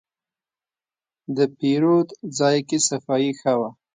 د پیرود ځای کې صفایي ښه وه.